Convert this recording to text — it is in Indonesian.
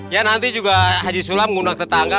ya nanti juga haji sulam ngundang tetangga